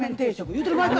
言うてる場合か！